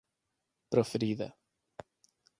proferida